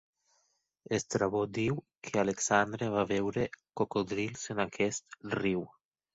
Estrabó diu que Alexandre va veure cocodrils en aquest riu.